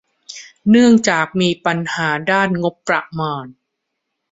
เนื่องจากมีปัญหาด้านงบประมาณ